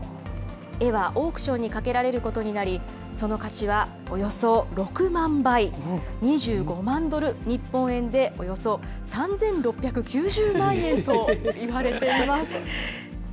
絵はオークションにかけられることになり、その価値はおよそ６万倍、２５万ドル、日本円でおよそ３６９０万円といわれています。